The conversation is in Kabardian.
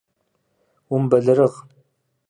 Умыбэлэрыгъ!